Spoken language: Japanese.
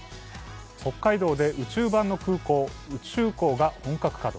北海道で宇宙版の空港＝宇宙港が本格稼働。